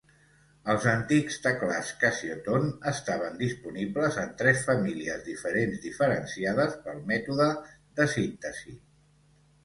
Els antics teclats Casiotone estaven disponibles en tres famílies diferents, diferenciades pel mètode de síntesi.